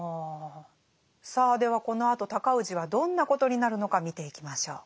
さあではこのあと尊氏はどんなことになるのか見ていきましょう。